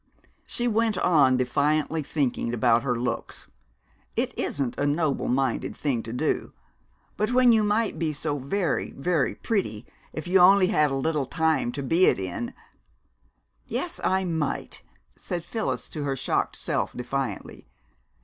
She went on defiantly thinking about her looks. It isn't a noble minded thing to do, but when you might be so very, very pretty if you only had a little time to be it in "Yes, I might!" said Phyllis to her shocked self defiantly....